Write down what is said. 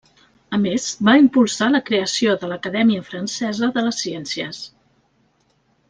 A més, va impulsar la creació de l'Acadèmia Francesa de les Ciències.